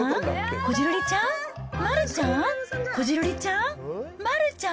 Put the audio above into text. こじるりちゃん？